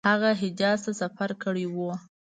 هغه حجاز ته سفر کړی وو.